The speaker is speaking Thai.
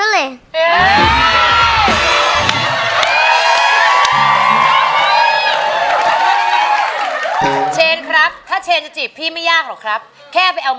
ลงรถทัวร์เพราะขึ้นผิดทาง